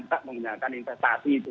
untuk menggunakan investasi itu